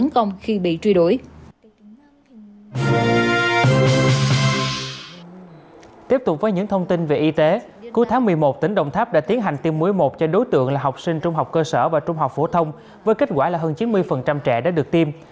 cuối tháng một mươi một tỉnh đồng tháp đã tiến hành tiêm mũi một cho đối tượng là học sinh trung học cơ sở và trung học phổ thông với kết quả là hơn chín mươi trẻ đã được tiêm